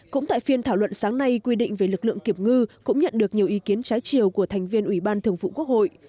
cũng tại phiên thảo luận sáng nay quy định về lực lượng kiểm ngư cũng nhận được nhiều ý kiến trái chiều của thành viên ủy ban thường vụ quốc hội